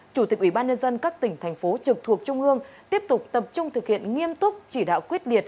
chủ tịch ủy ban nhân dân các tỉnh thành phố trực thuộc trung ương tiếp tục tập trung thực hiện nghiêm túc chỉ đạo quyết liệt